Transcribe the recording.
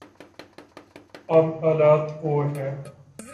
اب حالات اور ہیں۔